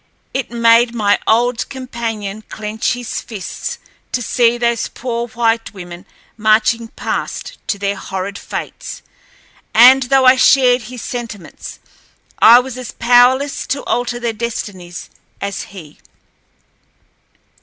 It made my old companion clench his fists to see those poor white women marching past to their horrid fates, and, though I shared his sentiments, I was as powerless to alter their destinies as he.